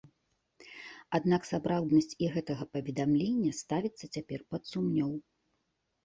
Аднак, сапраўднасць і гэтага паведамлення ставіцца цяпер пад сумнеў.